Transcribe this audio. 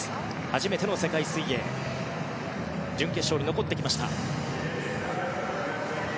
初めての世界水泳準決勝に残ってきました。